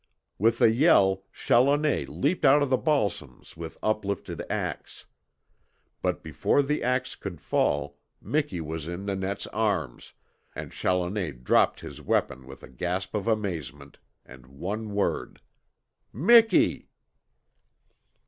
With a yell Challoner leapt out of the balsams with uplifted axe. But before the axe could fall, Miki was in Nanette's arms, and Challoner dropped his weapon with a gasp of amazement and one word: "MIKI!"